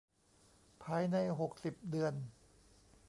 ภายใน หกสิบ เดือน